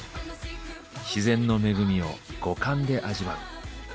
自然の恵みを五感で味わう。